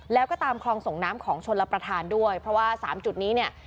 แล้วก็ตามคลองส่งน้ำของชนรับประทานด้วยเพราะว่าสามจุดนี้เนี่ย